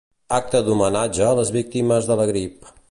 Acte d'homenatge a les víctimes de la grip.